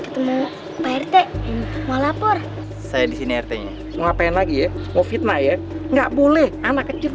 ketemu pak rt wah lapor saya disini rt nya ngapain lagi ya mau fitnah ya nggak boleh anak kecil